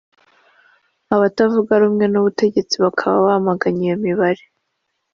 Abatavuga rumwe n’ubutegetsi bakaba bamaganye iyo mibare